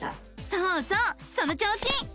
そうそうその調子！